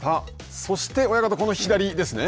そして、親方、この左ですね。